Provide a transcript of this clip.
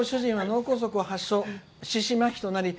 その後、主人は脳梗塞を発症。